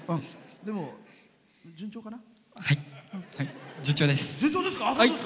でも、順調かな？